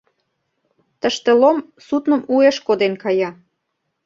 Тыште Лом судным уэш коден кая